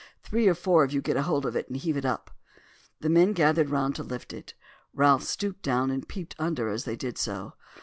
Three or four of you get hold of it and heave it up." The men gathered round to lift it. Ralph stooped down and peeped under as they did so.